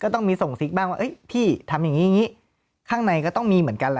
ต้องมีส่งซิกบ้างว่าพี่ทำอย่างนี้อย่างนี้ข้างในก็ต้องมีเหมือนกันล่ะ